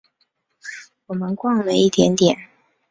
我们逛了一点点